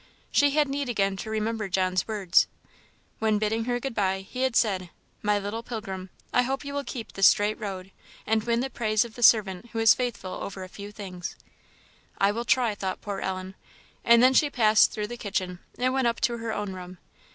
She had need again to remember John's words. When bidding her good bye, he had said, "My little pilgrim, I hope you will keep the straight road, and win the praise of the servant who was faithful over a few things." "I will try!" thought poor Ellen; and then she passed through the kitchen, and went up to her own room.